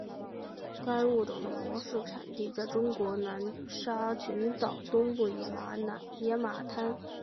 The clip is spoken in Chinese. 该物种的模式产地在中国南沙群岛东部野马滩。